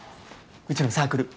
うちのサークル。